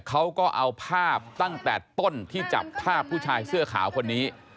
เขาก็เอาภาพตั้งแต่ต้นที่จับภาพผู้ชายเสื้อขาวคนนี้